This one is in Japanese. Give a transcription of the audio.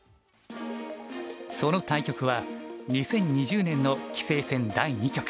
その対局は２０２０年の棋聖戦第２局。